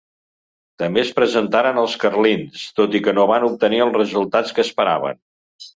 També es presentaren els carlins, tot i que no van obtenir els resultats que esperaven.